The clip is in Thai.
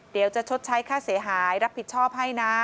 เดี๋ยวจะชดใช้ค่าเสียหายรับผิดชอบให้นะ